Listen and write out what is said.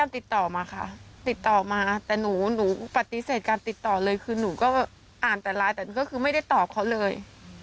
ติดต่อมาค่ะติดต่อมาแต่หนูปฏิเสธการติดต่อเลยคือหนูก็อ่านแต่ไลน์แต่หนูก็คือไม่ได้ตอบเขาเลย